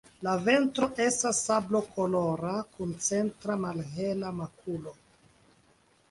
La ventro estas sablokolora kun centra malhela makulo.